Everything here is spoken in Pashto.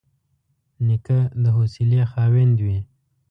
نیکه د حوصلې خاوند وي.